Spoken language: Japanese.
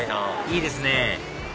いいですね